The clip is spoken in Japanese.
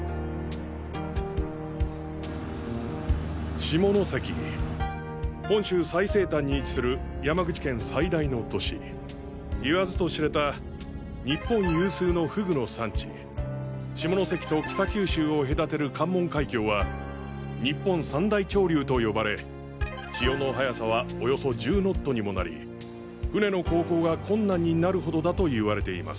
下関本州最西端に位置する山口県最大の都市言わずと知れた日本有数のふぐの産地下関と北九州を隔てる関門海峡は日本三大潮流と呼ばれ潮の速さはおよそ１０ノットにもなり船の航行が困難になるほどだといわれています。